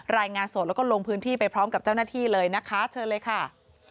รายงานสดแล้วก็ลงพื้นที่ไปพร้อมกับเจ้าหน้าที่เลยนะคะเชิญเลยค่ะ